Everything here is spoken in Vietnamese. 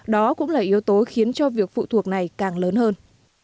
đó cũng là yếu tố khiến cho việc phụ thuộc này càng lớn hơn